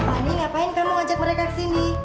ani ngapain kamu ngajak mereka kesini